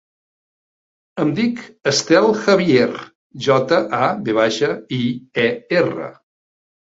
Em dic Estel Javier: jota, a, ve baixa, i, e, erra.